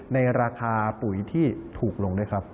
มีที่ถูกลงด้วยครับ